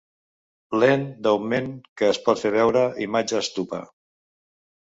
Lent d'augment que et por fer veure imatges d'upa.